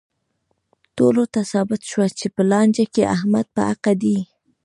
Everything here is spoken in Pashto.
ټولو ته ثابته شوه چې په لانجه کې احمد په حقه دی.